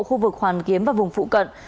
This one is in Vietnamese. khu vực hoàn kiếm và vùng phụ cận